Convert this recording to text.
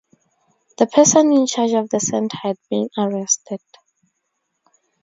The person in charge of the centre had been arrested.